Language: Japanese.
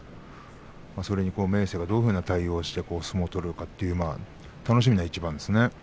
それに明生がどんな対応をして相撲を取れるか楽しみな一番ですね。